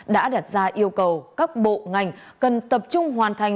đã đặt ra yêu cầu các bộ ngành cần tập trung hoàn thành